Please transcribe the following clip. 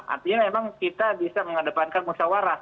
artinya memang kita bisa menghadapankan musawarah